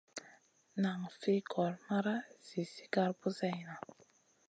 Nan fi gor mara zi sigar buseyna.